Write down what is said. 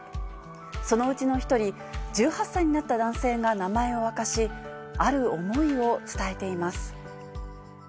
そのうちの１人、１８歳になった男性が名前を明かし、ある思いを伝えています。